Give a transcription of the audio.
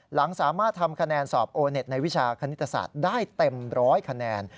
หลังสามารถทำคะแนนสอบโอเน็ตในวิชาคณิตศาสตร์ได้เต็มร้อยคะแนน